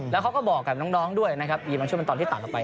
แล้วเขาก็บอกกับน้องน้องด้วยนะครับยีบังชุมันตอนที่ต่ำเข้าไป